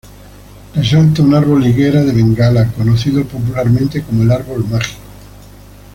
Resalta un árbol higuera de bengala, conocido popularmente como el árbol mágico.